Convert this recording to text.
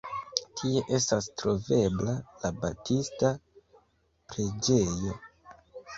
Tie estas trovebla la Baptista Preĝejo.